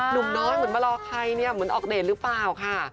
หนุ่มน้อยเหมือนมารอใครเนี่ยเหมือนออกเดทหรือเปล่าค่ะ